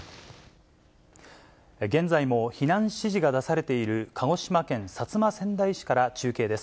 現在も避難指示が出されている、鹿児島県薩摩川内市から中継です。